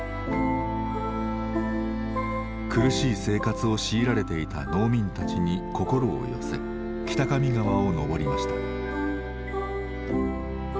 苦しい生活を強いられていた農民たちに心を寄せ北上川を上りました。